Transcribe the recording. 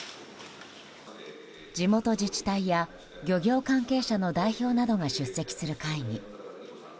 地元自治体や漁業関係者の代表などが出席する会議。